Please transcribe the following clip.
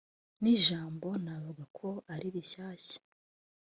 ni ijambo navuga ko ari rishyashya